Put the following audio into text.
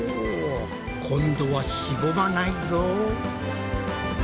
おぉ今度はしぼまないぞ！